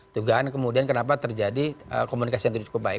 dugaan kemudian kenapa terjadi komunikasi yang tidak cukup baik